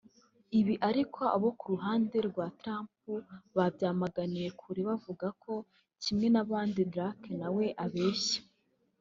Ibi ariko abo ku ruhande rwa Trump babyamaganiye kure bavuga ko kimwe n’abandi Drake nawe abeshya